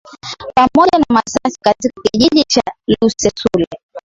Pamoja na Masasi katika Kijiji cha Lusesule